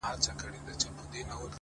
صبر د وخت احترام دی،